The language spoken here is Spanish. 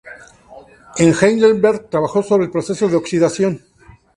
En Heidelberg, trabajó sobre el proceso de oxidación.